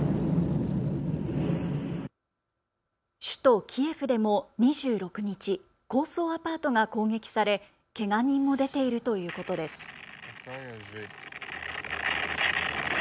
首都キエフでも、２６日高層アパートが攻撃されけが人も出ているということです。